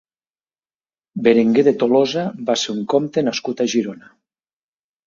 Berenguer de Tolosa va ser un comte nascut a Girona.